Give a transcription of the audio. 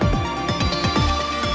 hal yang dipertengahkan